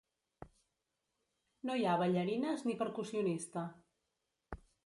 No hi ha ballarines ni percussionista.